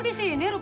lepas nih pak